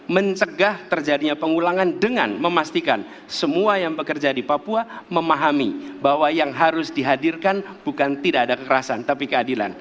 mencegah terjadinya pengulangan dengan memastikan semua yang bekerja di papua memahami bahwa yang harus dihadirkan bukan tidak ada kekerasan tapi keadilan